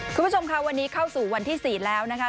คุณผู้ชมค่ะวันนี้เข้าสู่วันที่๔แล้วนะคะ